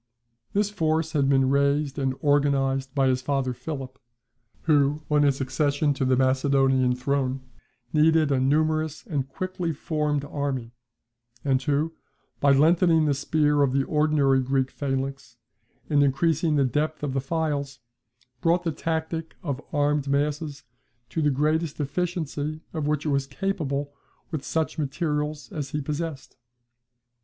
This force had been raised and organized by his father Philip, who on his accession to the Macedonian throne needed a numerous and quickly formed army, and who, by lengthening the spear of the ordinary Greek phalanx, and increasing the depth of the files, brought the tactic of armed masses to the greatest efficiency of which it was capable with such materials as he possessed.